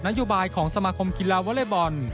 นโยบายของสมาคมกีฬาวอเล็กบอล